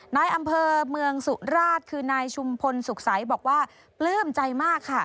นายอำเภอเมืองสุราชคือนายชุมพลสุขใสบอกว่าปลื้มใจมากค่ะ